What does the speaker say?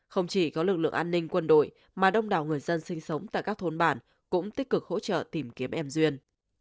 không chỉ có lực lượng an ninh quân đội mà đông đảo người dân sinh sống tại các thôn bản cũng tích cực hỗ trợ tìm kiếm em duyên